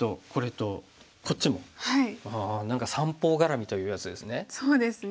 何か三方ガラミというやつですね。